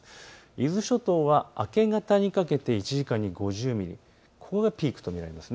伊豆諸島は明け方にかけて１時間に５０ミリ、これがピークと見られます。